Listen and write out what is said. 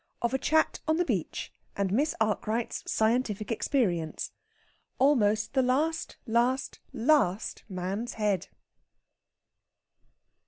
OF A CHAT ON THE BEACH, AND MISS ARKWRIGHT'S SCIENTIFIC EXPERIENCE. ALMOST THE LAST, LAST, LAST MAN'S HEAD!